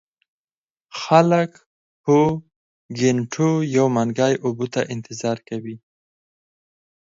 خلک په ګېنټو يو منګي اوبو ته انتظار کوي ـ